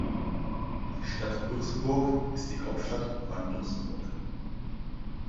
Die Stadt Luxemburg ist die Hauptstadt von Luxemburg.